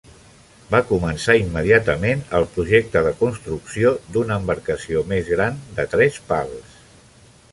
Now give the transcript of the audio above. Va començar immediatament el projecte de construcció d'una embarcació més gran de tres pals.